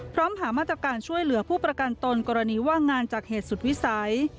หามาตรการช่วยเหลือผู้ประกันตนกรณีว่างงานจากเหตุสุดวิสัย